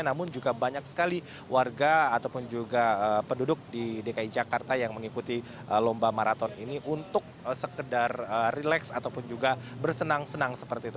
namun juga banyak sekali warga ataupun juga penduduk di dki jakarta yang mengikuti lomba maraton ini untuk sekedar relax ataupun juga bersenang senang seperti itu